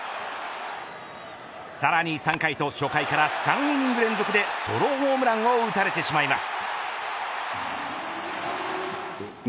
さらに３回と初回から３イニング連続でソロホームランを打たれてしまいます。